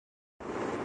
اس کا مطلب ہے۔